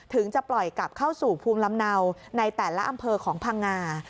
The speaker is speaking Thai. จะปล่อยกลับเข้าสู่ภูมิลำเนาในแต่ละอำเภอของพังงา